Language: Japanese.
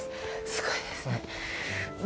すごいですね。